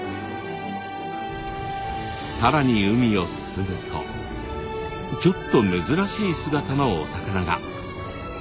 更に海を進むとちょっと珍しい姿のお魚が。